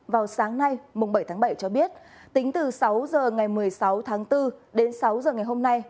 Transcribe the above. vào sáng nay bảy tháng bảy cho biết tính từ sáu h ngày một mươi sáu tháng bốn đến sáu giờ ngày hôm nay